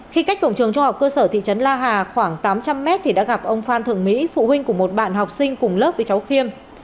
khi cách cổng trường trung học cơ sở thị trấn la hà khoảng tám trăm linh mét thì đã gặp ông phan thượng mỹ phụ huynh của một bạn học sinh cùng lớp với cháu khiêm